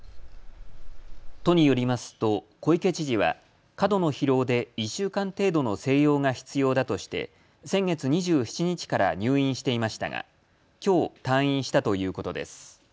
都によりますと小池知事は過度の疲労で１週間程度の静養が必要だとして先月２７日から入院していましたが、きょう退院したということです。